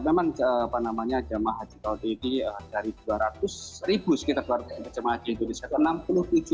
jemaah haji indonesia adalah jemaah haji indonesia